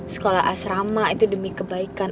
sekolah asrama itu demi kebaikan